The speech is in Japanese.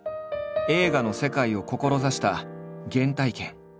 映画の世界を志した原体験。